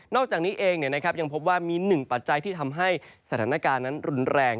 อกจากนี้เองยังพบว่ามีหนึ่งปัจจัยที่ทำให้สถานการณ์นั้นรุนแรง